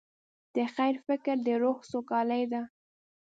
د خیر فکر د روح سوکالي ده.